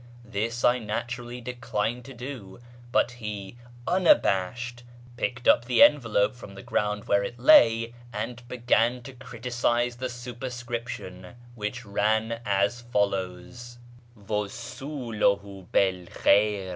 This I naturally declined to do, but he, unabashed, picked up the envelope from the ground where it lay, and began to criticise the superscription, which ran as follows :—" JVusiiluhu bi'l khaijr